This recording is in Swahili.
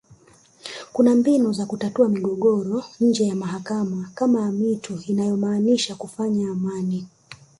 Kuna mbinu za kutatua migogoro nje ya mahakama kama amitu inayomaanisha kufanya amani